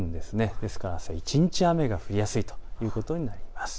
ですからあすは一日雨が降りやすいということになります。